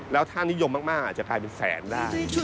แล้วถ้านิยมมากอาจจะกลายเป็นแสนได้